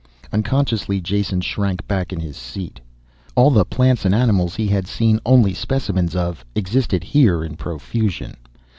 Unconsciously Jason shrank back in his seat. All the plants and animals he had seen only specimens of, existed here in profusion.